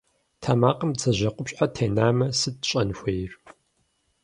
Тэмакъым бдзэжьей къупщхьэ тенамэ, сыт щӏэн хуейр?